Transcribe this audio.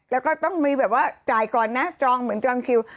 แล้วก็ต้องมีแบบว่าจ่ายก่อนนะจองเหมือนจองคิว